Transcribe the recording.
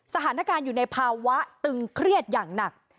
สถานการณ์อยู่ในภาวะตึงเครียดอย่างหนัก